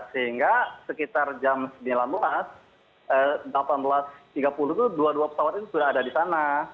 sehingga sekitar jam sembilan belas delapan belas tiga puluh itu dua dua pesawat itu sudah ada di sana